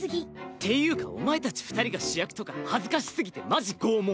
っていうかお前たち二人が主役とか恥ずかしすぎてマジ拷問。